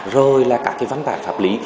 rồi là các văn bản pháp lý